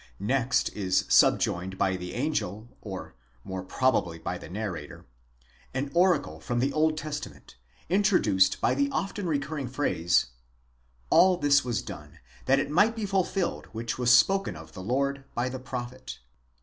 Next is subjoined by the angel, or more probably by the narrator, an oracle from the Old Testa ment, introduced by the often recurring phrase, a// this was done, that tt might be fulfilled which was spoken of the Lord by the prophet |v.